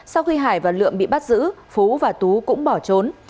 sau khi hải và lượm bị bắt giữ phú và tú cũng bỏ trốn